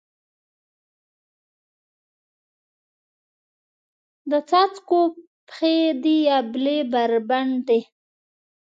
د څاڅکو پښې دي یبلې بربنډې